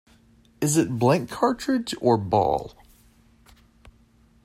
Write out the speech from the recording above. Is it blank cartridge or ball?